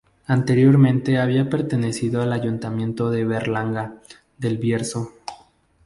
Anteriormente había pertenecido al Ayuntamiento de Berlanga del Bierzo.